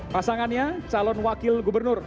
pasangannya calon wakil gubernur